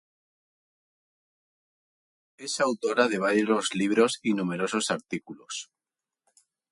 Es autora de varios libros y numerosos artículos.